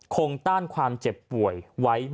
คงต้านความเจ็บป่วยไว้ไม่ได้